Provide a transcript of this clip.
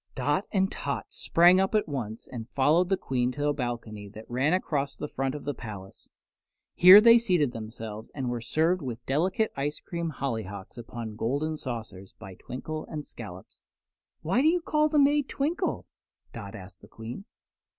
Dot and Tot sprang up at once and followed the Queen to a balcony that ran across the front of the palace. Here they seated themselves and were served with delicate ice cream hollyhocks upon golden saucers by Twinkle and Scollops. "Why do you call the maid Twinkle?" Dot asked the Queen.